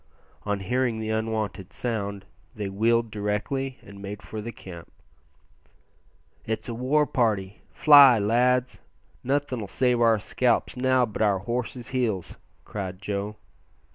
On hearing the unwonted sound they wheeled directly and made for the camp. "It's a war party; fly, lads! nothin' 'll save our scalps now but our horses' heels," cried Joe.